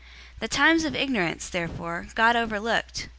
017:030 The times of ignorance therefore God overlooked.